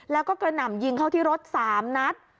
แล้วก็กระหน่ำยิงเข้าที่รถ๓นัด